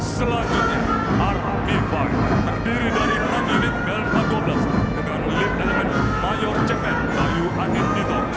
selanjutnya hp power enam unit velvador dua belas dengan lead element mayor jepen tayuhanit dito